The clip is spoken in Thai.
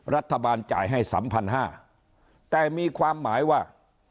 รัฐบาลจ่ายให้๓๕๐๐แต่มีความหมายว่า